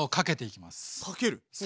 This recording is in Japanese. かける？